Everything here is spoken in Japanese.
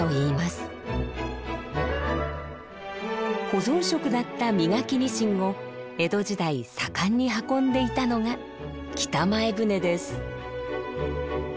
保存食だった身欠きにしんを江戸時代盛んに運んでいたのが北前船です。